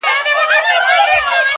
ستا لېونۍ خندا او زما له عشقه ډکه ژړا,